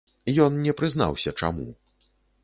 Ён не прызнаўся, чаму.